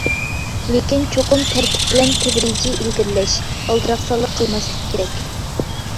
لېكىن چوقۇم تەرتىپ بىلەن تەدرىجىي ئىلگىرىلەش، ئالدىراقسانلىق قىلماسلىق كېرەك.